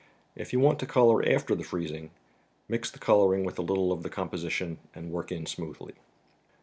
If you want to color after the freezing, mix the coloring with a little of the composition, and work in smoothly.